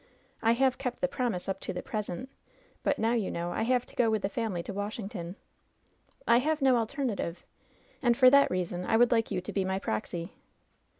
I have kept the promise up to the present ; but now, you know, I have to go with the family to Washington. I have no alternative, and for that reason I would like you to be my proxy.''